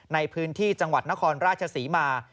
ในพื้นที่จังหวัดนครราชศรีมา